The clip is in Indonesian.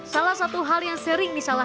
salah satu hal yang sering disalahkan